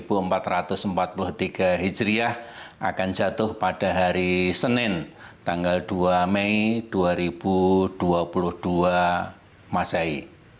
menetapkan hari raya idul fitri satu shawwal seribu empat ratus empat puluh tiga hijriah akan jatuh pada hari senin tanggal dua mei dua ribu dua puluh dua masai